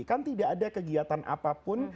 kan tidak ada kegiatan apapun